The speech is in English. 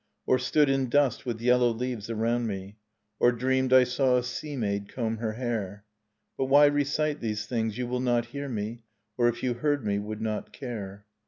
Or stood in dust with yellow leaves around me. 1 Or dreamed I saw a sea maid comb her hair. 1 But why recite these things? You will not hear me, Or if you heard me, would not care.